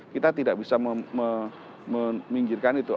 kita tidak bisa meminggirkan itu